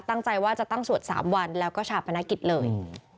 ตั้งใจว่าจะตั้งสวด๓วันแล้วก็ชาปนกิจเลย